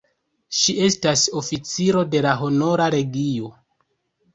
Ŝi estas oficiro de la Honora Legio.